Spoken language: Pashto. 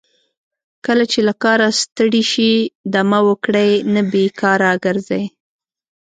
کله چې له کاره ستړي شئ دمه وکړئ نه بیکاره ګرځئ.